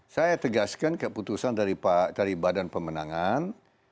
saya tegaskan keputusan dari badan pemenangan